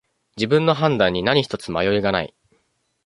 自分の判断に何ひとつ迷いがない